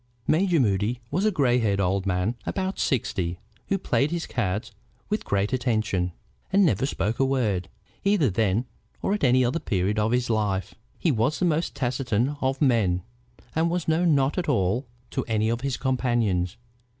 Major Moody was a gray headed old man of about sixty, who played his cards with great attention, and never spoke a word, either then or at any other period of his life. He was the most taciturn of men, and was known not at all to any of his companions.